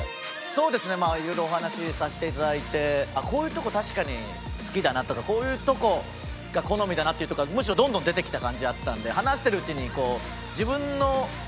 そうですねまあいろいろお話しさせていただいてこういうとこ確かに好きだなとかこういうとこが好みだなっていうとこがむしろどんどん出てきた感じあったんで。